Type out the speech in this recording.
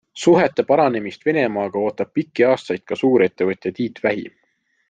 Suhete paranemist Venemaaga ootab pikki aastaid ka suurettevõtja Tiit Vähi.